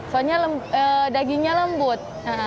soalnya dagingnya lembut